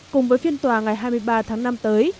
cùng với phiên tòa ngày hai mươi ba tháng năm tới